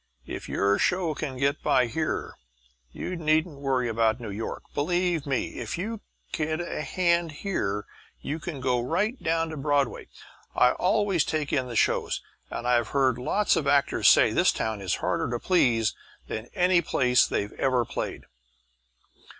If your show can get by here you needn't worry about New York. Believe me, if you get a hand here you can go right down to Broadway. I always take in the shows, and I've heard lots of actors say this town is harder to please than any place they ever played."